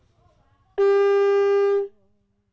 pertama suara dari biasusu